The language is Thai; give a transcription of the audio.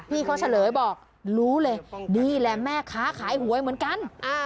พี่เขาเฉลยบอกรู้เลยนี่แหละแม่ค้าขายหวยเหมือนกัน